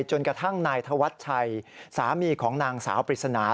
จนกระทั่งนายธวัชชัยสามีของนางสาวปริศนา